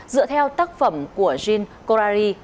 dựa theo tác phẩm của jean corary